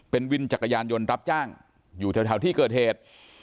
เป็นวินจักรยานยนต์รับจ้างอยู่แถวที่เกิดเหตุ